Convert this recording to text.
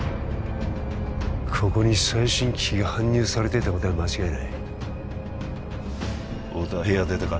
ここに最新機器が搬入されていたことは間違いない太田は部屋を出たか？